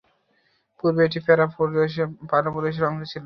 পূর্বে এটি পারো প্রদেশের অংশ ছিল।